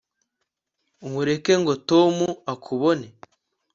ntureke ngo tom akubone